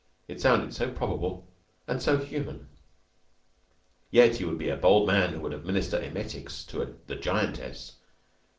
It sounds so probable and so human. Yet he would be a bold man who would administer emetics to the Giantess.